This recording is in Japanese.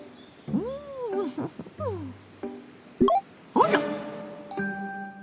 あら！